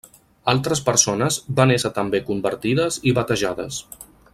Altres persones van ésser també convertides i batejades.